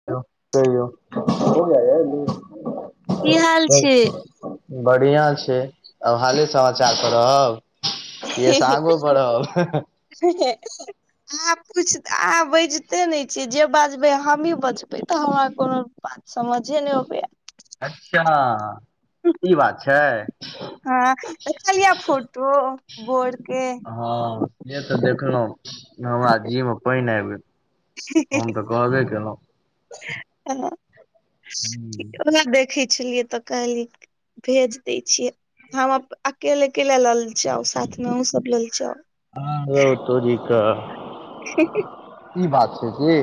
[unintelligible] की हाल छै बढ़िआँ छै, आब हाले समाचार पर रहब। कि एहिसँ आगो बढ़ब [unintelligible] अहां पुछ अहाँ बजिते नै छियै। जे बजबै हमही बजबै तऽ हमरा कोनो बा समझे नहि अबैये। अच्छा। ई बात छै हँ देखलियै फोटो बर के। हँ से तऽ देखलहुं, हमरा जी मे पानि आबि गेल। हम तऽ कहबे केलहुँ। हं ओकरा देखिके पुछलयै तऽ कहलकै भेज देै छियै। हम अकेले अकेेले ल जाउ साथमे ओ सब लैत जाउ। आ रौ तोरी के। ह। [unintelligible] ई बात छै कि।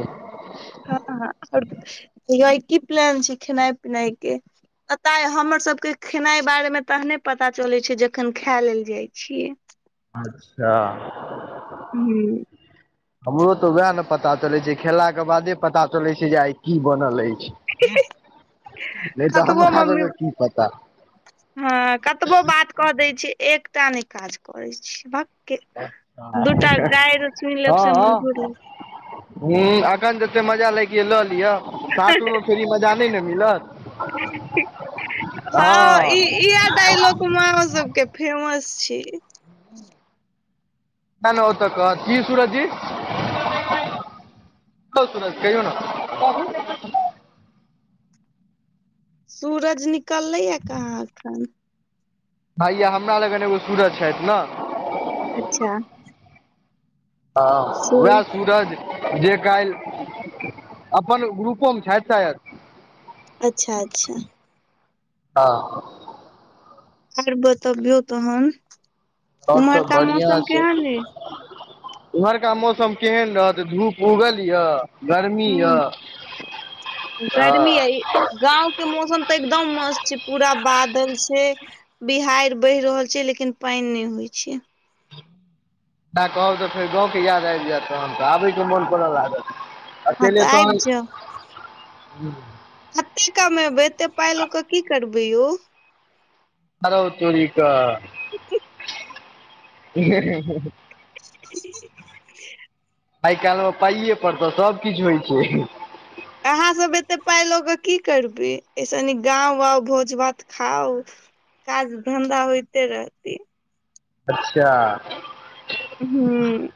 हँ और की प्लान छै खेनाइ पिनाइ के। पता अछि एतय हमर सबके खेनाय के बारे मे तखने पता चलै छै जखन खाय लेल जाय छियै। अच्छा। हू। हमरो तऽ वैह ने पता चलैत छै, खेलाके बादे पता चलैत छै जे आइ की बनल अछि। ह नै तऽ कतबो हमरा मम्मी सबके की पता। हँ कतबो बात कऽ दै छी, एकटा नहि काज करैत छी भक। दूटा गारि सुनि लेब से मंजूर। हुं एखन जते मजा लैके से लऽ लिअ, सासुर मे फेर ई मजा नहि ने मिलत। हँ ई इह डायलॉग माओ सब के फेमस छै। मन होता त कहत की सूरज जी। कि यौ सूरज कहियौ ने, कहु सूरज निकललै ये कहाँ एखन। भाई हमरा लग एगो सूरज छथि ने। अच्छा। हँ सु वैह सूरज जे काल्हि अपन ग्रुपोमे छथि ते अच्छा अच्छा हँ आर बतबियौ तखन उम्हरका मौसम केहन अछि उमहरका मौसम केहन रहत धूप उगल यऽ गर्मी यऽ हू गर्मी हँ अछि गाँव के मौसम तऽ एकदम मस्त छै पूरा बादल छै बिहाइड़ बहि रहल छै लेकिन पैन नहि होइ छै से कहब तऽ फेर गाँवके याद आबि जायत तखन तऽ आबयके मोन करऽ लागत हँ तऽ अकेले आबि तखन एते कमेबै एते पाइ लऽ कऽ की करबै यौ आरौ तोरी कऽ। पठे ह [unintelligible] आइ काल्हिमे पाइए पड़ तऽ सभकिछ होइ छै अहाँ सब एते पाइ लऽ कऽ की करबय अइ निक गांव आऊ भोज भात खाउ। काज धन्धा होइते रहतय। अच्छा। हूँ।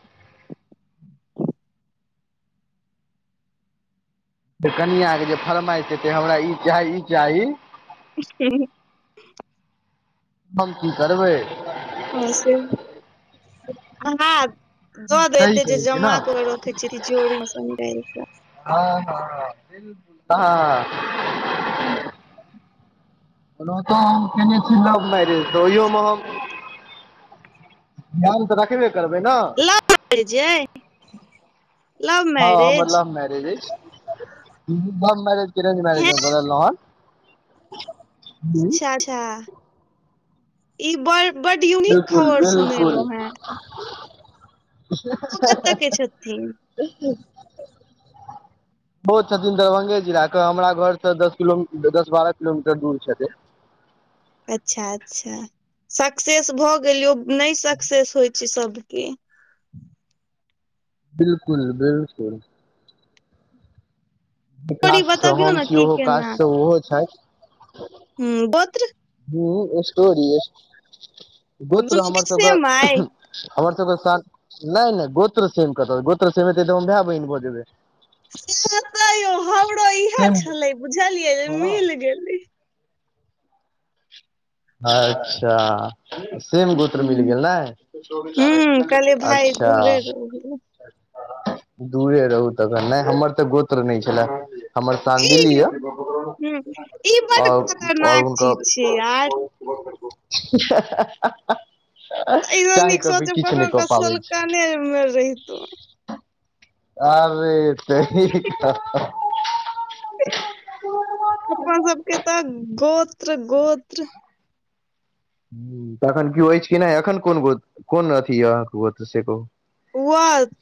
कनिया के जे फरमाइश एतैय हमरा ई चाही ई चाही। अे [unintelligible] हम की करबै? हँ से हो [unintelligible] दऽ दे सही एते जे कहै छी ने जमा करो [unintelligible] हँ हँ, बिल्कुल, हँ। ह्म्म। ओनाहीतो हम केने छि लव मैरेज तऽ ओहोये मे हम ध्यान तऽ राखबे करबै ना। कऽ लव मैरेज अइ लव हँ हमर मैरेज लव मैरेज अछि। लव मैरेज के अरेंज मैरेज हैं मे बदलौ हन। अच्छा अच्छा ई बड यूनिक बिलकुल खबर बिलकुल। सुनेलहुँ हेँ उ ओ कतऽ के छथिन ओहो छथिन दरभंगे जिलाके हमरा घरसँ दस किलो दस बारह किलोमीटर दूर छथिन अच्छा अच्छा सक्सेस भऽ गेलियौ नहि सक्सेस होइ छै सबके। बिलकुल बिलकुल। स्टोरी कास्ट सँ बतबियौ हम ने छी की ओहो कास्ट सँ ओहो छथि। हु गोत्र। हू स्टोरी गोत्र दुनू हमर के सेम सबके अइ हमर सबके सान नहि नहि गोत्र सेम कत गोत्र सेम हेतै तऽ हम भाय बहिन भऽ जेबै। साह तऽ यो हमरो इहे छले बुझलियै जे हँ मिल गेलय। अच्छा। अच्छा सेम गोत्र मिल गेल नए ह कहलियै भाय अच्छा दूरे रहु दूरे रहू तखन नहि हमर तऽ गोत्र नहि छलए। हमर ई सानडिल्य या ह ई बड और और खतरनाक हुनकर [inaudible] [unintelligible] एहिसँ चाइह नीक कऽ भी सोचब किछु नहि ककरो कऽ क पाबै छी। सोलकने मे रहितो आरे तोरी के अपना सबके तऽ गोत्र गोत्र तऽ अखन कियो अछि कि नहि अखन कोन गो कोन अथी य अहाँ से गोत्र से कहू। वत्स।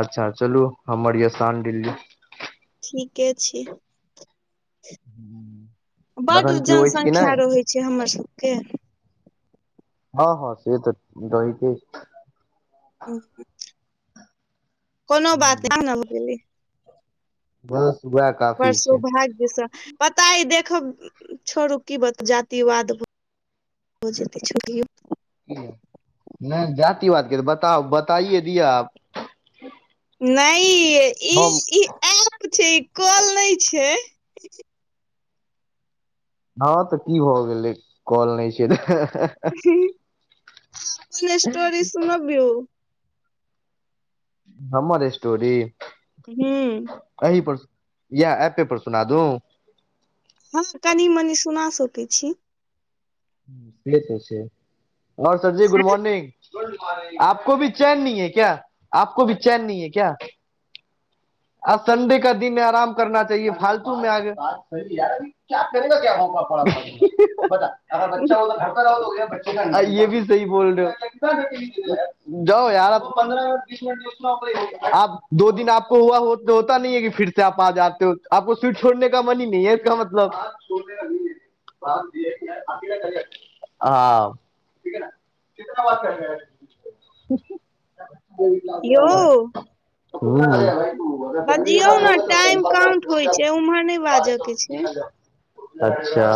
अच्छा चलू हमर या शांडिल्य। ठीके छी बड एखन केओ अछि कि नहि जनसंख्या रहै से हमर सबके। हँ हँ से तऽ दहिके कोनो बात नहि [unintelligible] बस वेह परसु भाग्यसँ पता ह देखब छोड़ू की बत जातिवादै भऽ जेतय छोरियो। नहि जाति बाद की हेतय बताऊ बताइए दियऽ आब। नहि। ई हम। [unintelligible] छै ई कॅल नहि छै। हँ तऽ की भऽ गेलै कॅल नहि छै। अपन स्टोरी सुनबीयो। हमरे स्टोरी। हुं। एहिही पर याह ऐपे पर सुना दू। हँ कनी मनी सुना सकै छी। से त छै और सरजी गुड मॉर्निंग। [unintelligible] [unintelligible] [unintelligible] [unintelligible] [unintelligible] [unintelligible] [unintelligible] हँ। [unintelligible] [unintelligible] हुं। यौ बजियौ ने टाइम काउंट होइ छै उम्हर नहि [unintelligible] बाजऽ के छै अच्छा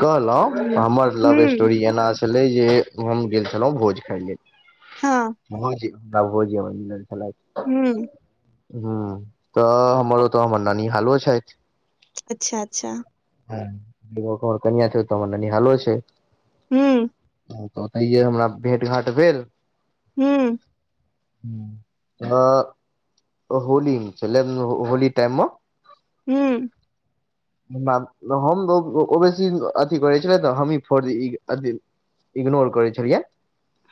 कहलहु हुं हमर लव हुं स्टोरी एना छलै जे हम गेल छलहुँ भोज खाय लेल। हँ। [unintelligible] हूं। हँ तऽ हमर ओतऽ हमर नानी हालो छथि। अच्छा अच्छा। हँ जतऽ के हमर कनिया छै ओतऽ हमर ननी हालो छै। हूं। तऽ ओतैये हमरा भेट घाट भेल। हूं। हूं हँ। होली मे छलय हो होली टाइममे हूं। हम ओ ओ बेसी अथी करै छलै तऽ हमही फ अ इ अथी इग्नोर करै छलियैन।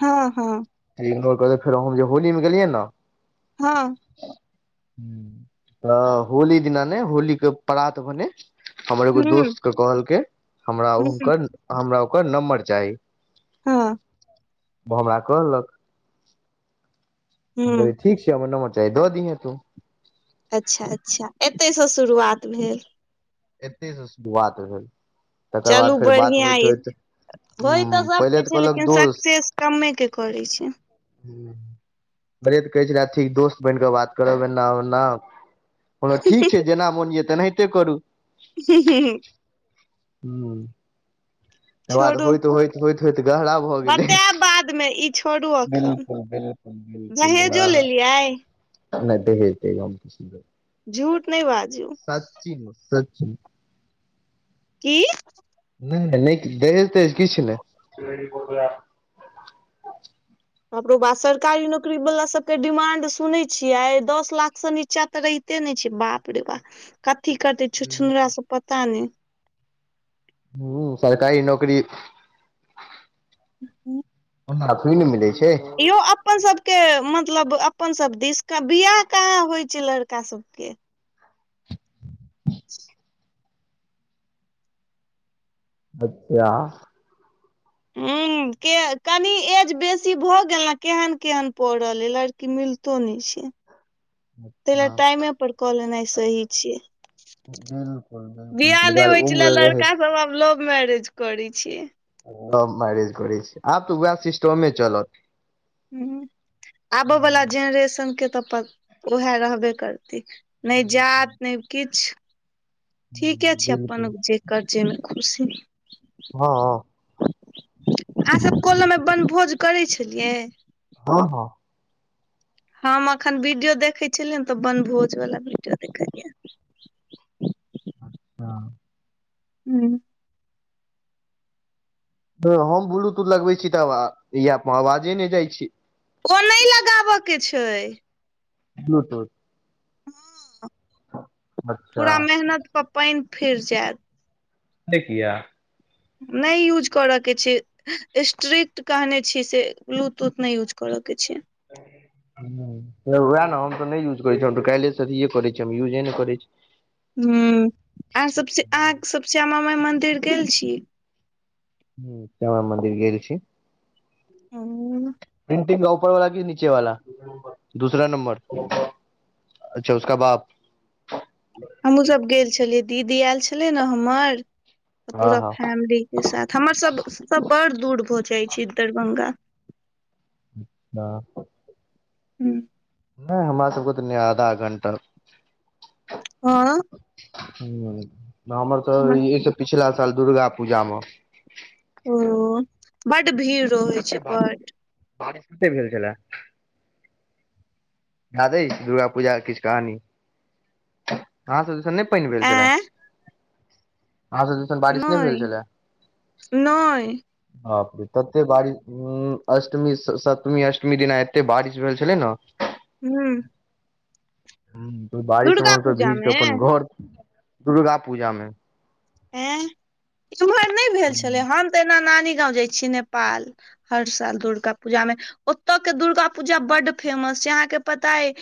हँ हँ। इग्नोर करलैथि फेर हम जे होली मे गेलियै न हँ। हूं तऽ होली दिना ने होली के परात भने हमर एगो हुँ, दोस्तके कहलकै हमरा हुँ, हुनकर हमरा ओकर नम्बर चाही। हँ। ओ हमरा कहलक हम हुँ, कहलियै ठीक छै हमर नम्बर चाहे द दिहैं तू। अच्छा अच्छा एतहिसँ शुरुआत भेल। एतेसँ शुरुआत भेल तकर बाद चलू फेर बात बढ़ियां होइत यै होइत होइ तऽ हूँ पहिले सबके छै कहलक लेकिन दोस्त सक्सेस कमे के करै छै। पहिले तऽ कहै छलै अथी दोस्त बनि कऽ बात करब एना ओना। कहलहु ठीक छै जेना मोन यऽ तेनाहिते करू। हूँहूँहूँ। हूँ। छोड़ू होइत होइत गहरा भऽ गेलै बतायब बादमे ई छोड़ू अखन। बिल्कुल बिल्कुल बिल्कुल आ दहेजो लेलियै? नहि दहेज तहेज हम किछ नै लेने छी। झूठ नहि बाजू। की झूठ सच्चे। की। नहि नहि नहि किछ दहेज तहेज किछ नहि। बापरौबा सरकारी नौकरी वला सबके डिमांड सुनै छियै दस लाख स नीच्चा तऽ रहित ते नहि छै बाप रे बा कथी करतै छुछुनरा सब पता नहि। हूँ सरकारी नौकरी [unintelligible] ओना थोड़ि ने मिलै छै। यौ अपन सब के मतलब अपन सब दिश का बियाह कहां होइ छै लड़का सब सबके। [inaudible] हेतै आब। हूँ के कनि एज बेसी भऽ गेल ने केहन केहन पड़ल अय लड़ की मिलतो नै छै तयले हँ टाइमे पर कऽ लेनाइ सही छैय। बिल्कुल बिल्कुल बिआाह ताहि नहि दुआरे होइ छलै उम्र लड़का रहैत सब आब लव मैरेज करै छै। लव मैरेज करै छै आब तऽ वएह सिस्टमे चलत। हूँ हूं आबय वला जेनरेशन के तऽ उएह रहबे करतै। नहि जात नहि किछ ठीके छै अपन बिल्कुल जेकर जैमे खुशी। हँ। अहाँ सभ कलम मे बन भोज करै छलियै? हँ हँ। हम अखन वीडियो देखे छलिये ने तऽ बनभोज वला वीडियो देखलियै। हँ। हूँ। नय हम ब्लूटूथ लगबै छी तऽ अवा इह अवाजे नहि जाइ छै। ओ नहि लगाब के छै। ब्लुटूथ अच्छा पूरा मेहनत पर पानि फिर जायत। से किया? नहि यूज करअ के छै। स्ट्रिक्ट कहने छीयै से ब्लूटूथ नहि यूज करअ के छै। हुं, उएह ने हम त नहि यूज करै छी। हम तऽ काल्हिएसँ अथिए करै छी। हम यूजे नहि करैत छी। हुम्म, आर सबसे, अहाँ सब श्यामा माय मंदिर गेल छी। हुं, श्यामा मन्दिर गेल छी। उम्म प्रिंटिंग ऊपर वाला कि नीचे वाला? दूसरा नम्बर। अच्छा उसका बाप हमहुँ सब गेल छलियै। दीदी आयल छलै ने हमर त हँ पूरा हँ फैमिली के साथ हमर सब त बड़ दूर भऽ जाइ छै दरभंगा। [unintelligible] हा हू। नहि हमरा सबके तऽ नहि आधा घण्टा हं [unintelligible] हमर हमरसभक ईसे पिछला साल दुर्गा पूजामे ओ बड भीड़ रहै छै कत्ते बार, बड बारिश कत्ते भेल छलए? याद अइ दुर्गा पूजा के किछु कहानी? अहाँ सब जे [unintelligible] नै पनि भेल छलेह। एं अहां सब बारिश नहि भेल नय छलेह। नय बापरे तत्ते बारिश हूं, अष्टमी सतमी अष्टमी दिना एते बारिश भेल छलै ना हूं हूं, बारिश मे दुर्गा हमसभ पूजा भीजके मे अपन घर, दुर्गा पूजामे। एँ, एम्हर नहि भेल छलै हन। तऽ एना नानी गाँंव जाइ छीयै नेपाल। हर साल दुर्गा पूजामे ओतअ के दुर्गा पूजा बड फेमस छै। अहाँके पता अइ।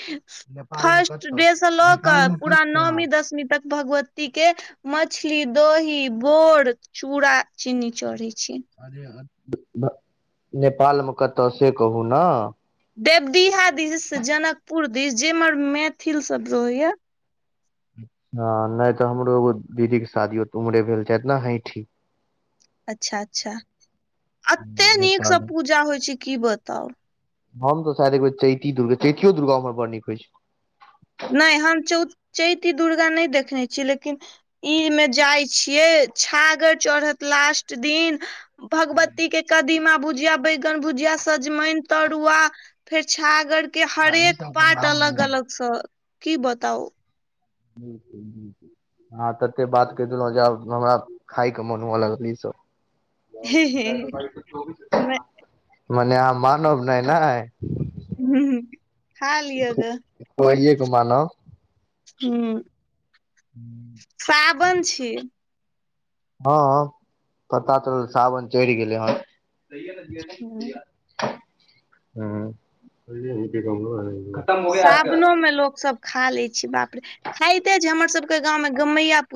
नेपाल मे फर्स्ट कतऽ डे से लऽ नेपाल कऽ मे पूरा कतऽ नौवीं दसमी तक भगवती के मछ मछली, दही, बोर, चूड़ा, चीनी चढ़ै छै। अरे [unintelligible] नेपालमे कतऽ से कहू ने? देवदिहा दिस जनकपुर दिस जेम्हर मैथिल सब रहैया। हँ नहि तऽ हमरो एगो दीदीके शादी तऽ उम्हरे भेल छथि ने। हैठी अच्छा-अच्छा, हम्म, अत्ते नेपाल नीकसँ मे पूजा होइ छै कि बताउ। हम तऽ शायद एकबेर चैती दुर्गा, चैतियो दुर्गा ओम्हर बड़ नीक होइ छै। नहि हम चौ चैती दुर्गा नहि देखने छियै लेकिन ई मे जाइ छियै। छागर चढ़त लास्ट दिन भगवती के कदीमा बुझिया बै न भुजिया, सजमनि तरुआ फेर छागर के ई हरेक सब के पार्ट नाम नै या अलग अलग सर कि बताउ? बिल्कुल बिल्कुल। अहां तते बात कैह देलहुँ जे आब हमरा खाय के मोन हुअ लगल ई सब। हे हे हे नहि मने आहां मानव नहि, नहि? हूं-हूं खा लियगे। ओहिए घुमानो। ह, पाबन छी। हँ हँ, पता चलल सावन चढ़ि गेलै हन। हूँ ह [unintelligible] ब क क हम। साबनो में लोक सब खा ले छै बापरे। खाइते छै। हमर सबके गाममे गमैया पू